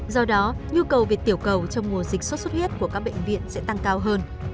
do đó nhu cầu về tiểu cầu trong mùa dịch sốt xuất huyết của các bệnh viện sẽ tăng cao hơn